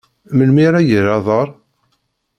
Melmi ara yerr aḍar?